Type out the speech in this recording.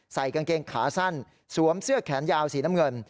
กางเกงขาสั้นสวมเสื้อแขนยาวสีน้ำเงิน